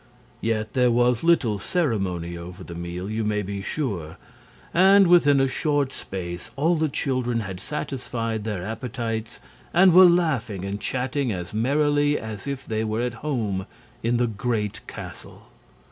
Yet there was little ceremony over the meal, you may be sure, and within a short space all the children had satisfied their appetites and were laughing and chatting as merrily as if they were at home in the great castle.